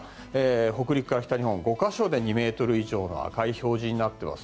北陸から北日本５か所で２ｍ以上の赤い表示になっています。